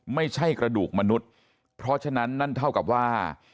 ไม่ใช่กระดูกมนุษย์เพราะฉะนั้นนั่นเท่ากับว่า